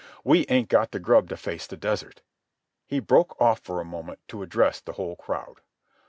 We ain't got the grub to face the desert." He broke off for a moment to address the whole crowd.